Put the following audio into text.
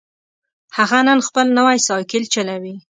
هغه نن خپل نوی سایکل چلوي